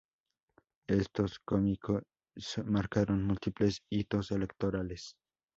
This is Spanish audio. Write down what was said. Estos comicios marcaron múltiples hitos electorales.